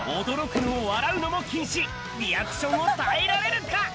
驚くのも笑うのも禁止リアクションを耐えられるか？